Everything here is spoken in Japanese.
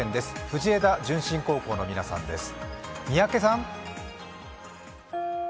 藤枝順心高校の皆さんです。